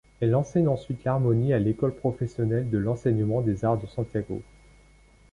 Elle enseigne ensuite l'harmonie à l'école professionnelle de l'enseignement des arts de Santiago.